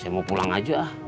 saya mau pulang aja